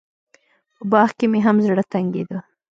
په باغ کښې مې هم زړه تنګېده.